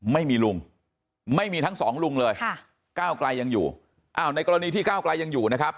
ไม่มีลุงไม่มีทั้งสองลุงเลยค่ะก้าวไกลยังอยู่อ้าวในกรณีที่ก้าวไกลยังอยู่นะครับ